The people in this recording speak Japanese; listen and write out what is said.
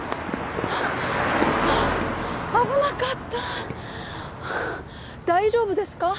危なかった大丈夫ですか？